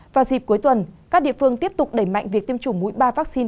vào dịp cuối tuần các địa phương tiếp tục đẩy mạnh việc tiêm chủng mũi ba vaccine